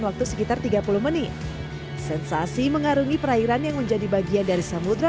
waktu sekitar tiga puluh menit sensasi mengarungi perairan yang menjadi bagian dari samudera